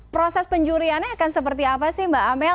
proses penjuriannya akan seperti apa sih mbak amel